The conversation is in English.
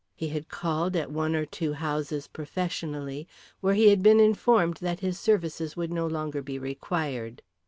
He had called at one or two houses professionally, where he had been informed that his services would no longer be required.